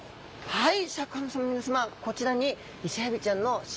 はい。